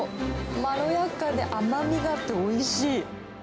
まろやかで甘みがあっておいしい。